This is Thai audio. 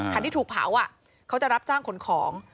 ที่ถูกเผาเขาจะรับจ้างขนของ